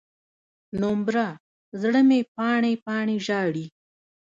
نومبره، زړه مې پاڼې، پاڼې ژاړي